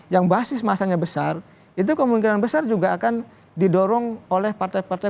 yang basis masanya besar itu kemungkinan besar juga akan didorong oleh partai partai